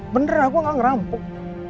bener aku gak ngerampok